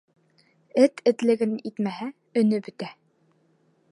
Эт этлеген итмәһә, өнө бөтә.